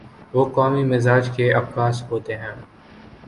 وہ قومی مزاج کے عکاس ہوتے ہیں۔